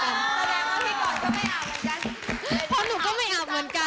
แปลงว่าพี่ก่อนก็ไม่อาบเหมือนกัน